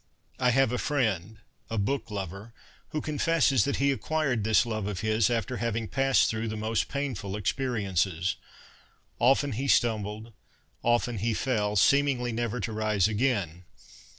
I have a friend, a book lover, who confesses that he acquired this love of his after having passed through the most painful experiences. Often he stumbled, often he fell, seemingly never to rise again.